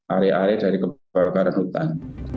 are are dari kebakaran